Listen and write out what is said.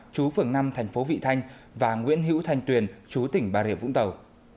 chú phường năm thành phố vị thanh và nguyễn hữu thanh tuyền chú tỉnh bà rịa vũng tàu